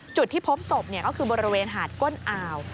จุดที่พบศพก็คือบริเวณหาดก้นอ่าว